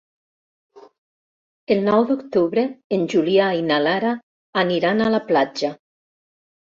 El nou d'octubre en Julià i na Lara aniran a la platja.